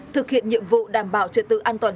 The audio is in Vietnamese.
thực hiện nhiệm vụ đảm bảo trợ tự an toàn